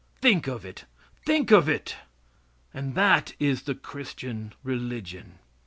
Think of it! Think of it! And that is the Christian religion!